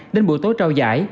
đến buổi tối trao giải